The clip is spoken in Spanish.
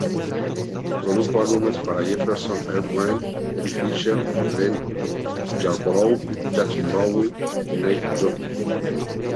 Produjo álbumes para Jefferson Airplane, Eddie Fisher, Glenn Yarborough, Jackson Browne y Neil Young.